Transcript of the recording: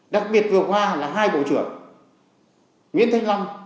đặc biệt vừa qua là hai bộ trưởng nguyễn thanh long